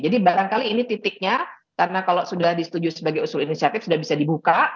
jadi barangkali ini titiknya karena kalau sudah disetujui sebagai usul inisiatif sudah bisa dibuka